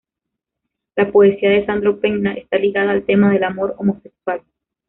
La poesía de Sandro Penna está ligada al tema del amor homosexual.